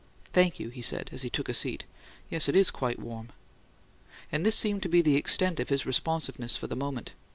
"Thank you," he said, as he took a seat. "Yes. It is quite warm." And this seemed to be the extent of his responsiveness for the moment.